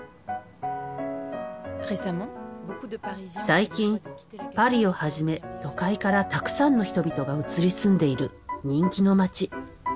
最近パリをはじめ都会からたくさんの人々が移り住んでいる人気の町。